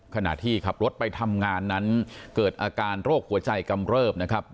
ขณะที่ขับรถไปทำงานนั้นเกิดอาการโรคหัวใจกำเริบนะครับ